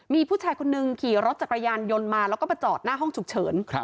มีผู้ชายคนนึงขี่รถจักรยานยนต์มาแล้วก็มาจอดหน้าห้องฉุกเฉิน